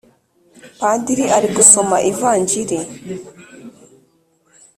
Padiri arigusoma ivanjiri